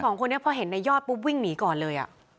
สองคนนี้พอเห็นในยอดปุ๊บวิ่งหนีก่อนเลย